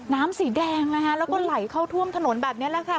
น้ำสีแดงแล้วแล้วก็ไหลเข้าถ้วมถนนแบบนี้ครับ